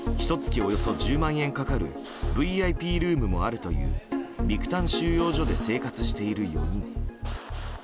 およそ１０万円かかるＶＩＰルームもあるというビクタン収容所で生活している４人。